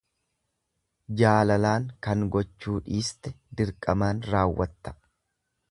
Jaalalaan kan gochuu dhiiste dirqamaan raawwatta.